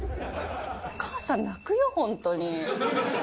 お母さん泣くよ、本当に。